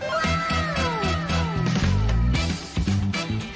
หรือว่าวอ้าว